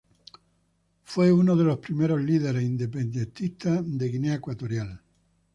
Fue uno de los primeros líderes independentistas de Guinea Ecuatorial.